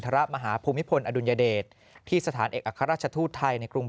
พระมหาภูมิพลอดุลยเดชที่สถานเอกอัครราชทูตไทยในกรุง